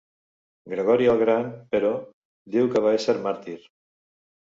Gregori el Gran, però, diu que va ésser màrtir.